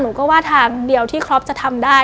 หนูก็ว่าทางเดียวที่ครอปจะทำได้